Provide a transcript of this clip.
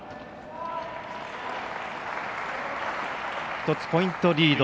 １つポイントリード。